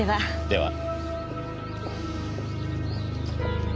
では。